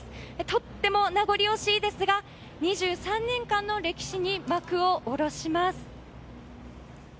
とっても名残惜しいですが２３年間の歴史に幕を下ろします。